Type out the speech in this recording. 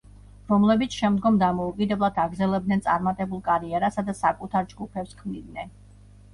რომლებიც შემდგომ დამოუკიდებლად აგრძელებდნენ წარმატებულ კარიერასა და საკუთარ ჯგუფებს ქმნიდნენ.